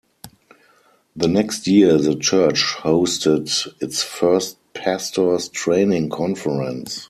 The next year the church hosted its first pastors training conference.